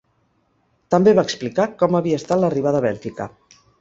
També va explicar com havia estat l’arribada a Bèlgica.